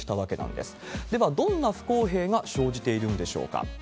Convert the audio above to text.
では、どんな不公平が生じているんでしょうか。